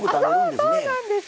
そうなんですよ！